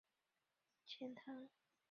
随父徙钱塘。